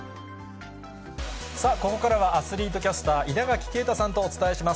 さあ、ここからはアスリートキャスター、稲垣啓太さんとお伝えします。